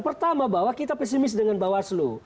pertama bahwa kita pesimis dengan bawaslu